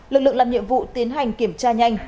lực lượng làm nhiệm vụ tiến hành kiểm tra nhanh